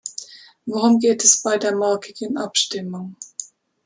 Worum geht es bei der morgigen Abstimmung?